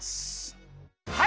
はい。